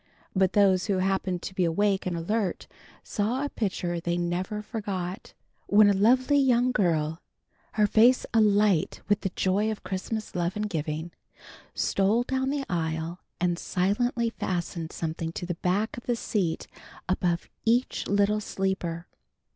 But those who happened to be awake and alert saw a picture they never forgot, when a lovely young girl, her face alight with the joy of Christmas love and giving, stole down the aisle and silently fastened something on the back of the seat above each little sleeper.